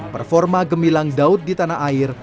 performa gemilang daud di tanah air